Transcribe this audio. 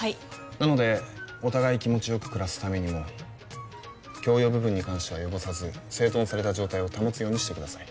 なのでお互い気持ちよく暮らすためにも共用部分に関しては汚さず整頓された状態を保つようにしてください